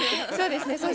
そうですね。